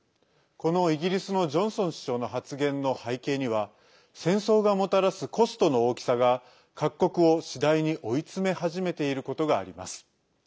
このイギリスのジョンソン首相の発言の背景には戦争がもたらすコストの大きさが各国を次第に追い詰め始めていることがあります。